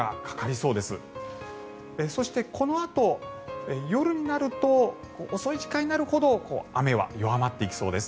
そしてこのあと夜になると遅い時間になるほど雨は弱まっていきそうです。